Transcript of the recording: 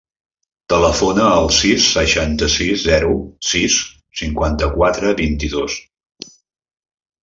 Telefona al sis, seixanta-sis, zero, sis, cinquanta-quatre, vint-i-dos.